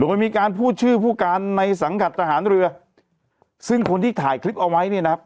โดยมีการพูดชื่อผู้การในสังกัดทหารเรือซึ่งคนที่ถ่ายคลิปเอาไว้เนี่ยนะครับ